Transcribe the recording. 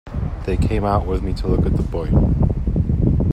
They came out with me to look at the boy.